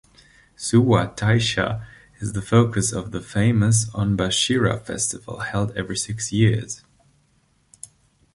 Suwa Taisha is the focus of the famous Onbashira festival, held every six years.